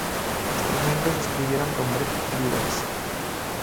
Los tres miembros escribieron con Brett Beavers.